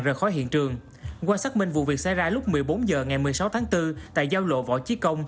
rời khỏi hiện trường qua xác minh vụ việc xảy ra lúc một mươi bốn h ngày một mươi sáu tháng bốn tại giao lộ võ chí công